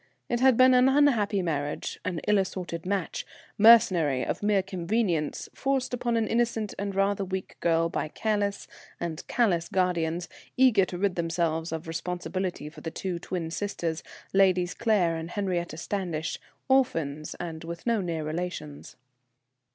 It had been an unhappy marriage, an ill assorted match, mercenary, of mere convenience, forced upon an innocent and rather weak girl by careless and callous guardians, eager to rid themselves of responsibility for the two twin sisters, Ladies Claire and Henriette Standish, orphans, and with no near relations.